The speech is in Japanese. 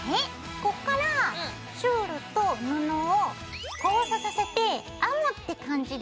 こっからチュールと布を交差させて編むって感じで。